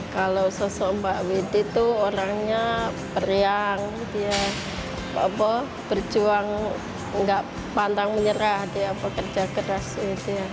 kalau sosok mbak widi itu orangnya beriang dia berjuang enggak pantang menyerah dia pekerja keras itu ya